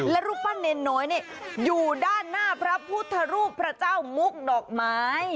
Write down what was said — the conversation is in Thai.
และรูปปั้นเนรน้อยนี่อยู่ด้านหน้าพระพุทธรูปพระเจ้ามุกดอกไม้